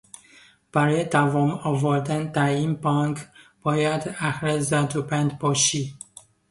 برای دوام آوردن در این بانک باید اهل زدوبند باشی.